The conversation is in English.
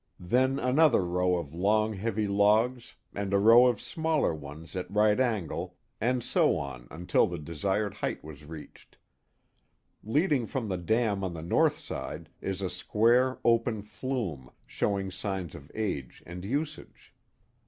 Then another row of long, heavy logs and a row of smaller ones at right angle and so on until the desired height was reached. Leading from the dam on the north side is a square, open Hume, showing signs of age and usage.